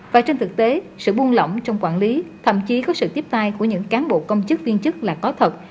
và trên thực tế sự buông lỏng trong quản lý thậm chí có sự tiếp tay của những cán bộ công chức viên chức là có thật